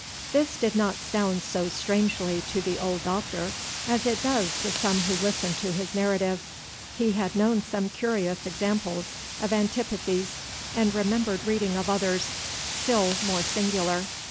This did not sound so strangely to the old Doctor as it does to some who listen to his narrative. He had known some curious examples of antipathies, and remembered reading of others still more singular.